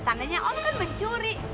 tandanya om kan mencuri